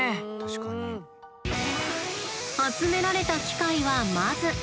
集められた機械はまず。